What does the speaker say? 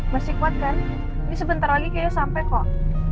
masih kuat kan ini sebentar lagi kayaknya sampai kok